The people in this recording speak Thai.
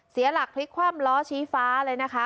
เสียหลักพลิกคว่ำล้อชี้ฟ้าเลยนะคะ